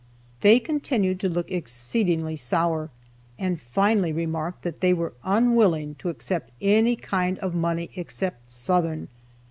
They continued to look exceedingly sour, and finally remarked that they were unwilling to accept any kind of money except "Southern."